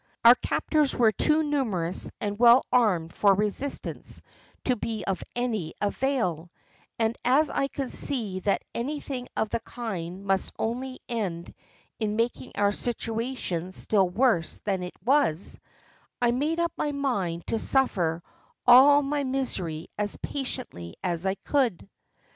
Our captors were too numerous and well armed for resistance to be of any avail, and as I could see that anything of the kind must only end in making our situation still worse than it was, I made up my mind to suffer all my misery as patiently as I could.